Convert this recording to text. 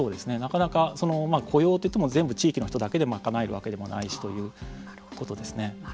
なかなか来ようといっても全部地域の人だけでも賄えるわけでもないしということですね。